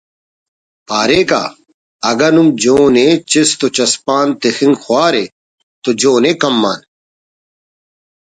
پاریکہ ”اگہ نم جون ءِ چست و چسپان تخنگ خوارے تو جون ءِ کم آن